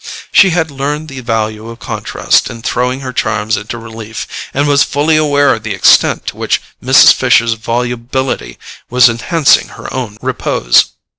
She had learned the value of contrast in throwing her charms into relief, and was fully aware of the extent to which Mrs. Fisher's volubility was enhancing her own repose.